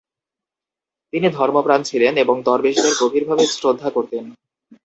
তিনি ধর্মপ্রান ছিলেন এবং দরবেশদের গভীরভাবে শ্রদ্ধা করতেন।